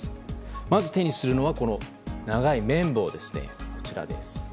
まず手にするのは、長い綿棒です。